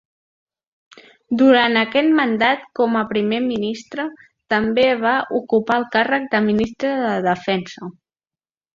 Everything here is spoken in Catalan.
Durant aquest mandat com a primer ministre, també va ocupar el càrrec de ministre de Defensa.